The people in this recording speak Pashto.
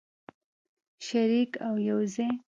شریک او یوځای.